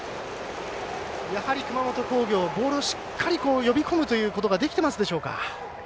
やはり熊本工業ボールをしっかり呼び込むことができていますでしょうか。